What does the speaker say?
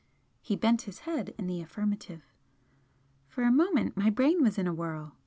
He bent his head in the affirmative. For a moment my brain was in a whirl.